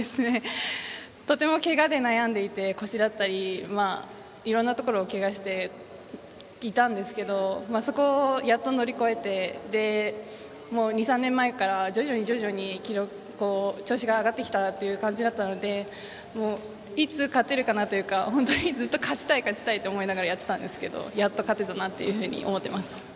とてもけがで悩んでいて腰だったり、いろんなところをけがをしていたんですけどそこをやっと乗り越えて２３年前から徐々に調子が上がってきたという感じだったのでいつ勝てるかなというか本当にずっと勝ちたい、勝ちたいと思いながらやっていたんですけどやっと勝てたなと思っています。